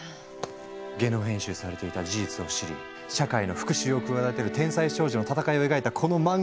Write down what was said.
ゲノム編集されていた事実を知り社会への復しゅうを企てる天才少女の戦いを描いたこの漫画！